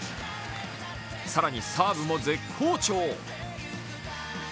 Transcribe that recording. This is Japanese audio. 更にサーブも絶好調。